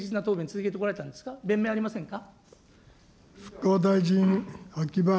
弁明ありませんか。